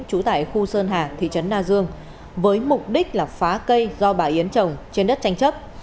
trú tại khu sơn hà thị trấn na dương với mục đích là phá cây do bà yến trồng trên đất tranh chấp